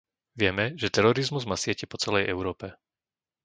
Vieme, že terorizmus má siete po celej Európe.